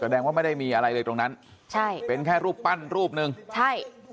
แสดงว่าไม่ได้มีอะไรเลยตรงนั้นใช่เป็นแค่รูปปั้นรูปหนึ่งใช่